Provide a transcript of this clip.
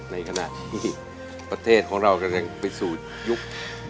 ในขณะที่ประเทศของเราก็ยังไปสู่ยุค